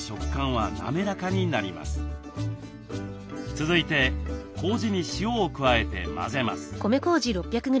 続いてこうじに塩を加えて混ぜます。